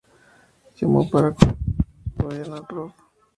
Llamó para colaborar en su gobierno al Prof.